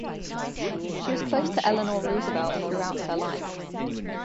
She was close to Eleanor Roosevelt throughout her life.